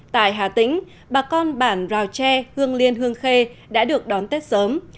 tại hà tĩnh bà con bản rào tre hương liên hương khê đã được đón tết sớm